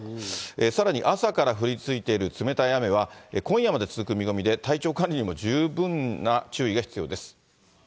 さらに朝から降り続いている冷たい雨は、今夜まで続く見込みで、体調管理にも十分な注意が必要です。